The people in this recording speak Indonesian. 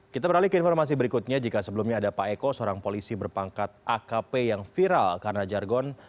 kita beralih ke informasi berikutnya jika sebelumnya ada pak eko seorang polisi berpangkat akp yang viral karena jargon